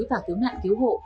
và cứu nạn cứu hộ